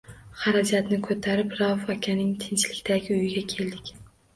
Xarajatni ko’tarib, Rauf akaning “Tinchlik”dagi uyiga keldik.